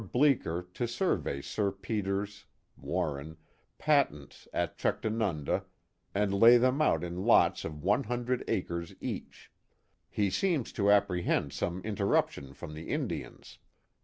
Blccker to survey Sir Peter's (Warren) Patents at ' Chuctanunda ' and lay them out in lots of one hundred acres each. He seems to apprehend some interruption from the Indians.